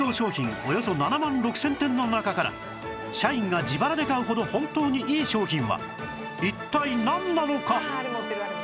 およそ７万６０００点の中から社員が自腹で買うほど本当にいい商品は一体なんなのか？